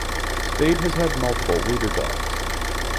Spade has had multiple Leader Dogs.